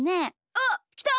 おっきた！